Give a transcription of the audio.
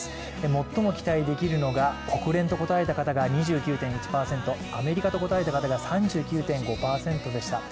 最も期待できるのが国連と答えた方が２９．１％アメリカと答えた方が３９．５％でした。